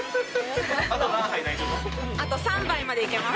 あと３杯までいけます。